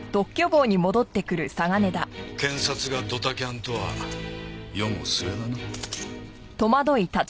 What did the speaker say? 検察がドタキャンとは世も末だな。